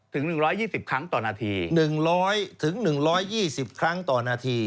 ถึงหนึ่งร้อยยี่สิบครั้งต่อนาที